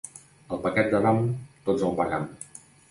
El pecat d'Adam tots el pagam.